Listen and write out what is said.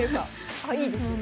あいいですね。